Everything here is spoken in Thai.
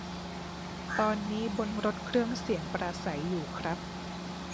ตอนนี้บนรถเครื่องเสียงปราศรัยอยู่ครับ